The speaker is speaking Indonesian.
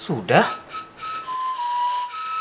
si amin udah ngasih tau bapak kalo ada kangmus